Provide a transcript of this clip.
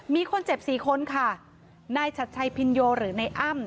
มีคนเจ็บสี่คนค่ะนายชัดชัยพินโยหรือในอ้ำ